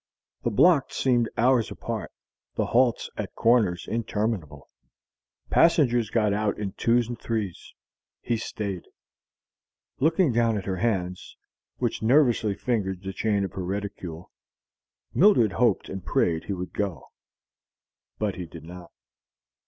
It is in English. The blocks seemed hours apart, the halts at corners interminable. Passengers got out in twos and threes. He stayed. Looking down at her hands, which nervously fingered the chain of her reticule, Mildred hoped and prayed he would go. But he did not.